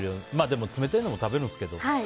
でも、冷たいのも食べるんですけど。